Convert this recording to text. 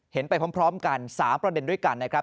ไปพร้อมกัน๓ประเด็นด้วยกันนะครับ